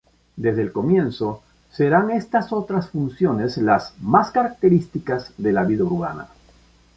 Desde el comienzo, serán estas otras funciones las más características de la vida urbana.